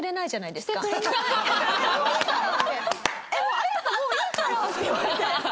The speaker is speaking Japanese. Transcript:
「あんたはもういいから」って言われて。